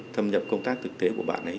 thâm nhập công tác thực tế của bạn ấy